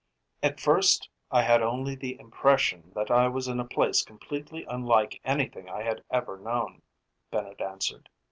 "At first I had only the impression that I was in a place completely unlike anything I had ever known," Bennett answered.